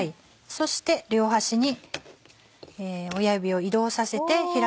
そして両端に親指を移動させて開きます。